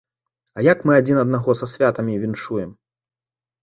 А як мы адзін аднаго са святамі віншуем?